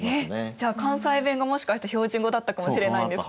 じゃあ関西弁がもしかして標準語だったかもしれないんですか？